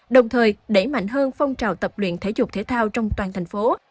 đồng thời đẩy mạnh hơn phong trào tập luyện thể dục thể thao trong toàn tp hcm